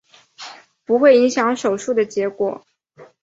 不会影响手术的结果。